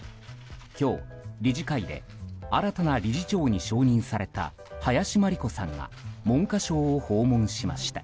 今日、理事会で新たな理事長に承認された林真理子さんが文科省を訪問しました。